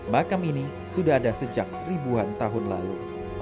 makam ini sudah ada sejak ribuan tahun lalu